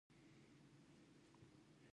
پسه د افغانستان طبعي ثروت دی.